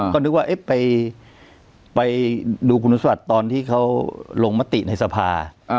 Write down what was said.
ก็นึกว่าไปดูคุณสมบัติตอนที่เขาลงมติในสภา